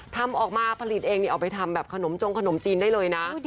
ทำออกมาผลิตเองนี่เอาไปทำแบบขนมจงขนมจีนได้เลยนะ